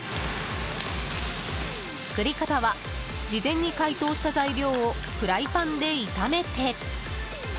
作り方は、事前に解凍した材料をフライパンで炒めて。